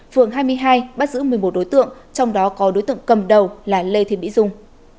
phường hai mươi hai bắt giữ một mươi một đối tượng trong đó có đối tượng cầm đầu là lê thị mỹ dung